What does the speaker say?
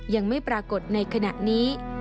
ยังไม่ปรากฏในขณะนี้